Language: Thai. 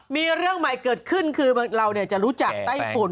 มีเรื่องใหม่เกิดขึ้นคือเราจะรู้จักไต้ฝุ่น